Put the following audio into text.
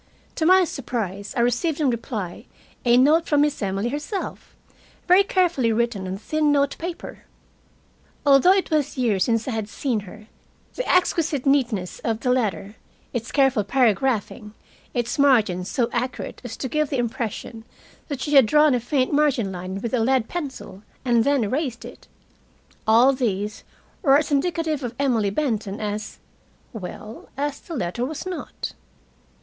To my surprise, I received in reply a note from Miss Emily herself, very carefully written on thin note paper. Although it was years since I had seen her, the exquisite neatness of the letter, its careful paragraphing, its margins so accurate as to give the impression that she had drawn a faint margin line with a lead pencil and then erased it all these were as indicative of Emily Benton as well, as the letter was not.